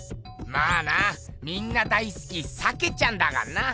まあなみんな大すき鮭ちゃんだかんな。